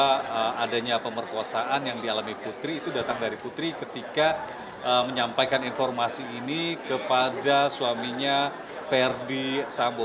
karena adanya pemerkosaan yang dialami putri itu datang dari putri ketika menyampaikan informasi ini kepada suaminya verdi sambo